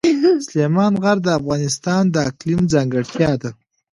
سلیمان غر د افغانستان د اقلیم ځانګړتیا ده.